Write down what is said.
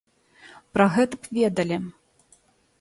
Пра гэта б ведалі.